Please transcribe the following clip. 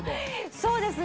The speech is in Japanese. そうですね。